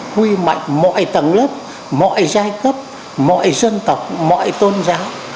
huy mạnh mọi tầng lớp mọi giai cấp mọi dân tộc mọi tôn giáo